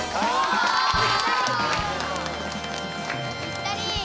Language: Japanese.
ぴったり。